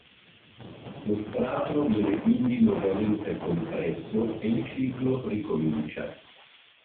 Lo strato viene quindi nuovamente compresso e il ciclo ricomincia.